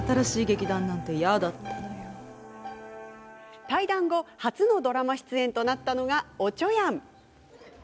宝塚退団後初のドラマ出演となったのが「おちょやん」。